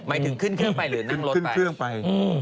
หมายถึงขึ้นเครื่องไปหรือนั่งรถขึ้นเครื่องไป